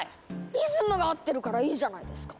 リズムが合ってるからいいじゃないですか！